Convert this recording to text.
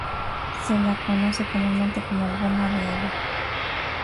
Se la conoce comúnmente como "goma de agua".